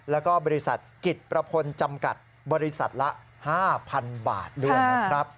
แล้วก็บริษัทกิจประพลจำกัดบริษัทละ๕๐๐๐บาทด้วยนะครับ